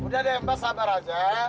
udah deh mbak sabar aja